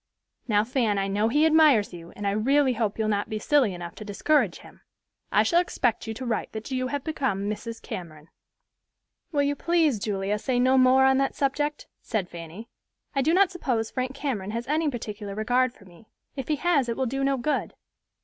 Now, Fan, I know he admires you, and I really hope you'll not be silly enough to discourage him. I shall expect you to write that you have become Mrs. Cameron." "Will you please, Julia, say no more on that subject," said Fanny. "I do not suppose Frank Cameron has any particular regard for me; if he has it will do no good."